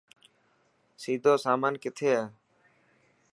سيدو سامان ڪٿي هي.